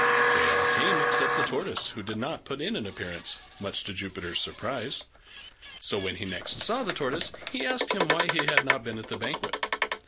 They all came except the Tortoise, who did not put in an appearance, much to Jupiter's surprise. So when he next saw the Tortoise he asked him why he had not been at the banquet.